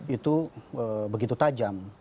itu begitu tajam